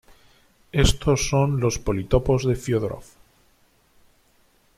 Estos son los politopos de Fiódorov.